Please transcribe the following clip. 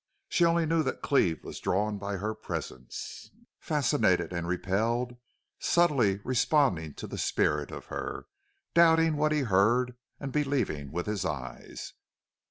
She only knew that Cleve was drawn by her presence, fascinated and repelled, subtly responding to the spirit of her, doubting what he heard and believing with his eyes.